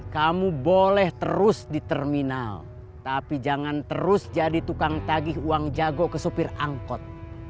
kamu boleh terus di terminal tapi jangan terus jadi tukang tagih uang jago ke supir angkot